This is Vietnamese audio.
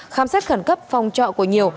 khám sát khẩn cấp phòng trọ của nhiều